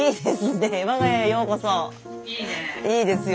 いいですね